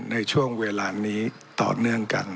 ในช่วงเวลานี้ต่อเนื่องกัน